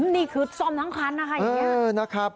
นี่คือซ่อมทั้งครั้งนะคะ